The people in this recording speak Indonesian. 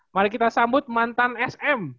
mari kita sambut mantan sm